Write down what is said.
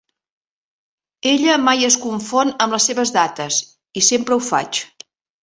Ella mai es confon amb les seves dates, i sempre ho faig.